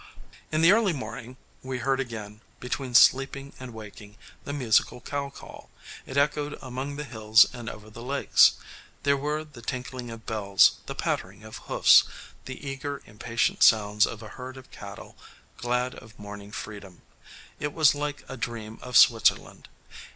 In the early morning we heard again, between sleeping and waking, the musical cow call. It echoed among the hills and over the lakes: there were the tinkling of bells, the pattering of hoofs, the eager, impatient sounds of a herd of cattle glad of morning freedom. It was like a dream of Switzerland.